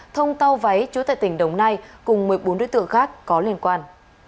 thông tàu váy chú tại tỉnh đồng nai cùng một mươi bốn đối tượng khác có liên quan